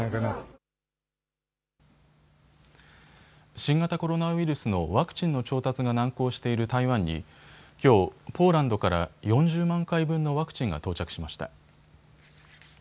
新型コロナウイルスのワクチンの調達が難航している台湾にきょう、ポーランドから４０万回分のワクチンが到着しました。